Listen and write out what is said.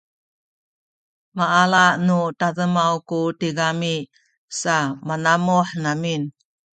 maala nu tademaw ku tigami sa manamuh amin